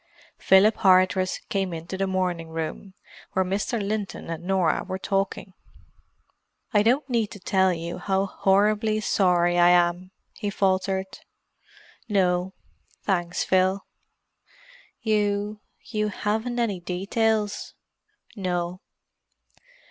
Philip Hardress came into the morning room, where Mr. Linton and Norah were talking. "I don't need to tell you how horribly sorry I am," he faltered. "No—thanks, Phil." "You—you haven't any details?" "No."